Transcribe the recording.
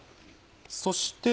そして。